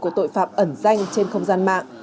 của tội phạm ẩn danh trên không gian mạng